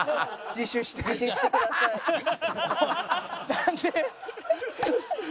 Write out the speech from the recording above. なんで？